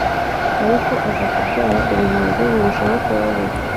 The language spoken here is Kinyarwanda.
ariko aza kubyara ubuzima bwe burushaho kuba bubi